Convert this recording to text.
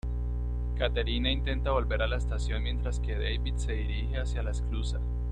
Katerina intenta volver a la estación mientras que David se dirije hacia la esclusa.